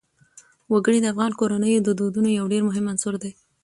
وګړي د افغان کورنیو د دودونو یو ډېر مهم عنصر دی.